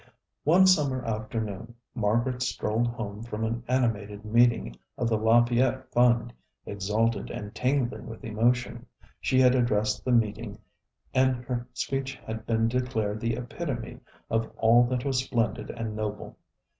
One summer afternoon, Margaret strolled home from an animated meeting of the Lafayette Fund, exalted and tingling with emotion. She had addressed the meeting, and her speech had been declared the epitome of all that was splendid and noble.